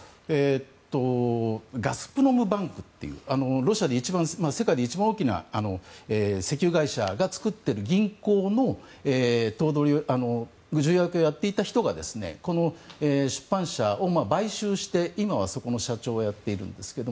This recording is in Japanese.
ガスプロム・バンクという世界で一番大きな石油会社が作っている銀行の重役をやっていた人がこの出版社を買収して今はそこの社長なんですけど。